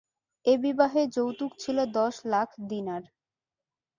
ঐ বিবাহে যৌতুক ছিল দশ লাখ দীনার।